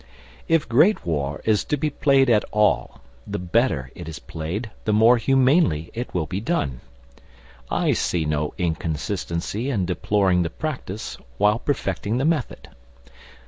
If Great War is to be played at all, the better it is played the more humanely it will be done. I see no inconsistency in deploring the practice while perfecting the method.